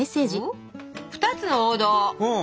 「２つの王道」。